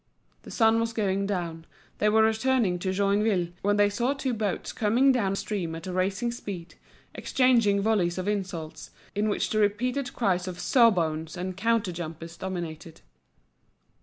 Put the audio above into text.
The sun was going down, they were returning to Joinville, when they saw two boats coming down stream at a racing speed, exchanging volleys of insults, in which the repeated cries of "Sawbones!" and "Counter jumpers!" dominated.